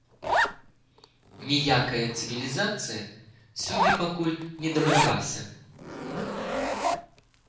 Ніякая цывілізацыя сюды пакуль не дабралася.